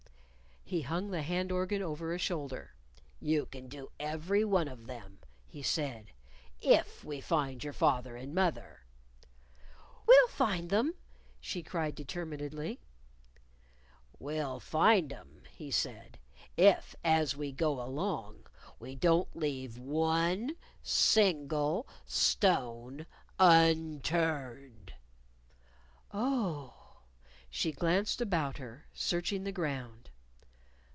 He hung the hand organ over a shoulder. "You can do every one of them," he said, "if we find your father and mother." "We'll find them," she cried determinedly. "We'll find 'em," he said, "if, as we go along, we don't leave one single stone unturned." "Oh!" she glanced about her, searching the ground.